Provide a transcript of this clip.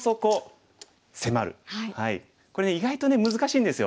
これね意外と難しいんですよ。